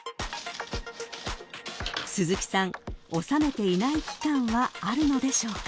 ［鈴木さん納めていない期間はあるのでしょうか？］